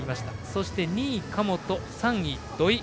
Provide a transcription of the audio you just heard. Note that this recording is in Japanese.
そして２位、神本３位、土井。